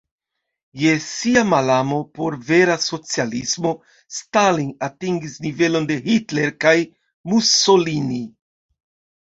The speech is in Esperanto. Je sia malamo por vera socialismo Stalin atingis nivelon de Hitler kaj Mussolini.